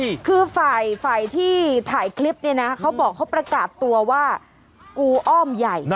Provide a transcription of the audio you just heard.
คือฝ่ายฝ่ายที่ถ่ายคลิปเนี่ยนะเขาบอกเขาประกาศตัวว่ากูอ้อมใหญ่